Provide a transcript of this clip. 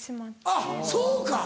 あっそうか。